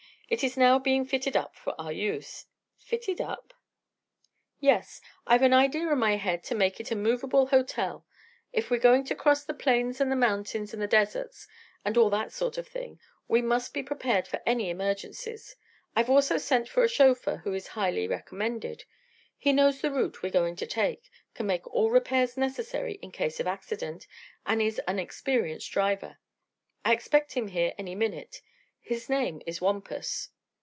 It is now being fitted up for our use." "Fitted up?" "Yes. I've an idea in my head to make it a movable hotel. If we're going to cross the plains and the mountains and the deserts, and all that sort of thing, we must be prepared for any emergencies. I've also sent for a chauffeur who is highly recommended. He knows the route we're going to take; can make all repairs necessary in case of accident, and is an experienced driver. I expect him here any minute. His name is Wampus."